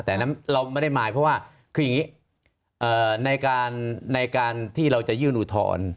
แต่เราไม่ได้มายเพราะว่าคืออย่างนี้ในการที่เราจะยื่นอุทธรณ์